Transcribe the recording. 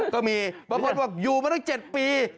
ก็มีบางคนบอกอยู่มาตั้ง๗ปี